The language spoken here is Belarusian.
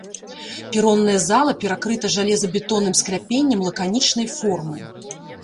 Перонная зала перакрыта жалезабетонным скляпеннем лаканічнай формы.